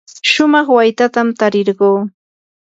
shumaq waytatam tarirquu.